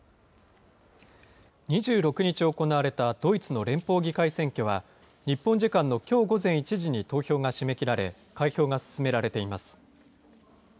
２６日行われたドイツの連邦議会選挙は、日本時間のきょう午前１時に投票が締め切られ、開票が進められています。